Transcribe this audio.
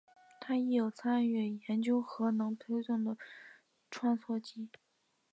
他亦有参与研究核能推动的穿梭机。